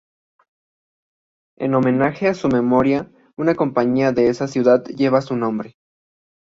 En homenaje a su memoria una compañía de esa ciudad lleva su nombre.